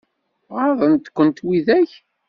Ɣaḍen-kent widak?